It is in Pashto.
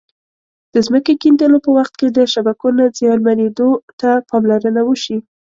د ځمکې کیندلو په وخت کې د شبکو نه زیانمنېدو ته پاملرنه وشي.